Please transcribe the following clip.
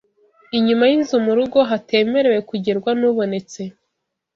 Inyuma y’inzu mu rugo hatemerewe kugerwa n’ubonetse